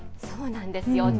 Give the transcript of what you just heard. そうなんですよ。